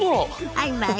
バイバイ！